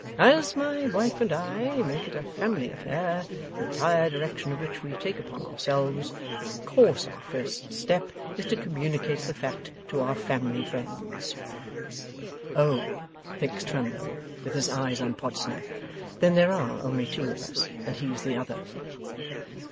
As my wife and I make it a family affair the entire direction of which we take upon ourselves, of course our first step is to communicate the fact to our family friends.' ['Oh!' thinks Twemlow, with his eyes on Podsnap, 'then there are only two of us, and he's the other.